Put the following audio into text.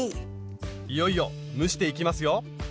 いよいよ蒸していきますよ。